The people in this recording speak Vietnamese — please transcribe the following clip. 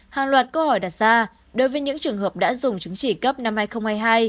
hàng loạt câu hỏi đặt ra đối với những trường hợp đã dùng chứng chỉ cấp năm hai nghìn hai mươi hai